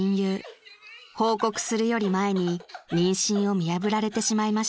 ［報告するより前に妊娠を見破られてしまいました］